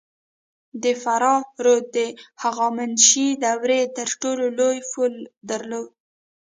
د فراه رود د هخامنشي دورې تر ټولو لوی پل درلود